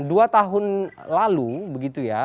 dua tahun lalu begitu ya